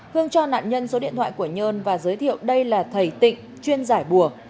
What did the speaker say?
hương cho nạn nhân số điện thoại của nhơn và giới thiệu đây là thầy tịnh chuyên giải bùa